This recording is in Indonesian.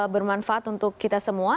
bermanfaat untuk kita semua